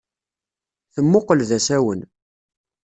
Temmuqqel d asawen.